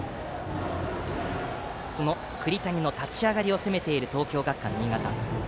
その栗谷の立ち上がりを攻めている、東京学館新潟。